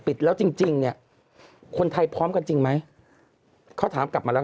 ปิดแล้วจริงจริงเนี่ยคนไทยพร้อมกันจริงไหมเขาถามกลับมาแล้ว